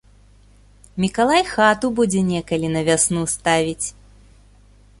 Мікалай хату будзе некалі на вясну ставіць.